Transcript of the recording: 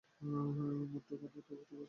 Monte Carlo তো তবুও ঠিক আছে।